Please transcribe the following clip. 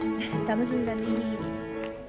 楽しみだね。